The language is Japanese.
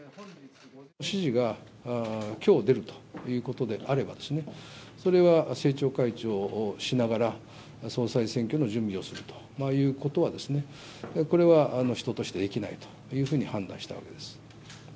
指示がきょう出るということであれば、それは政調会長をしながら総裁選挙の準備をするということは、これは人としてできないというふうに判断したわけです。